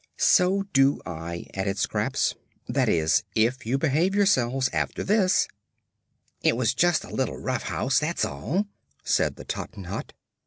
"So do I," added Scraps. "That is, if you behave yourselves after this." "It was just a little rough house, that's all," said the Tottenhot.